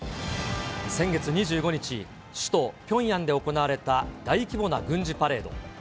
先月２５日、首都ピョンヤンで行われた大規模な軍事パレード。